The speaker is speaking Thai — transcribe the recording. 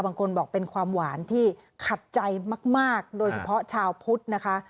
บางคนบอกเป็นความหวานที่ขัดใจมากโดยเฉพาะชาวพุทธนะคะ